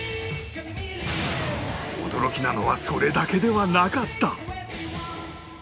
驚きなのはそれだけではなかった！